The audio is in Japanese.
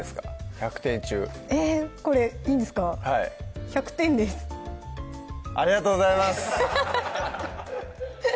１００点中えっこれいいんですか１００点ですありがとうございます